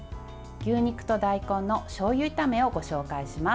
牛肉と大根のしょうゆ炒めをご紹介します。